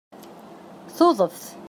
Tuḍeft